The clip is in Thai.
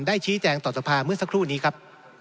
ชี้แจงต่อสภาเมื่อสักครู่นี้ครับ